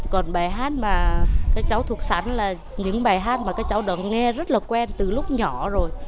còn bài hát mà các cháu thuộc sẵn là những bài hát mà các cháu đã nghe rất là quen từ lúc nhỏ rồi